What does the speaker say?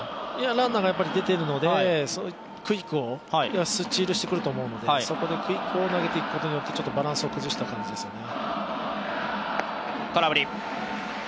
ランナーが出ているのでクイックを、スチールしてくるとをのでそこでクイックを投げていくとによって、ちょっとバランスを崩した感じですよね。